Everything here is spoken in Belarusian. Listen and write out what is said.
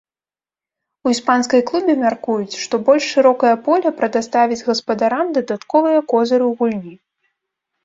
У іспанскай клубе мяркуюць, што больш шырокае поле прадаставіць гаспадарам дадатковыя козыры ў гульні.